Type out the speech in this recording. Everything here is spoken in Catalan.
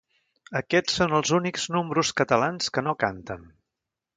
Aquests són els únics números catalans que no canten.